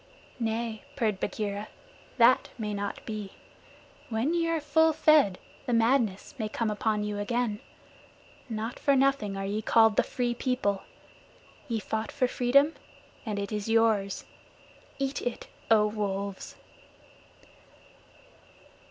"Nay," purred Bagheera, "that may not be. When ye are full fed, the madness may come upon you again. Not for nothing are ye called the Free People. Ye fought for freedom, and it is yours. Eat it, O Wolves."